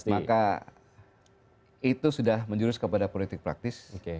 maka itu sudah menjurus kepada politik praktis